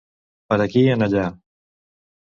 Per aquí en enllà.